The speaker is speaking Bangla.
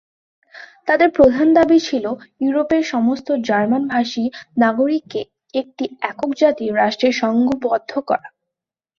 তাদের প্রধান দাবি ছিলো ইউরোপের সমস্ত জার্মান-ভাষী নাগরিককে একটি একক জাতি রাষ্ট্রে সংঘবদ্ধ করা।